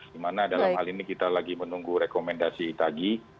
karena dalam hal ini kita lagi menunggu rekomendasi tagi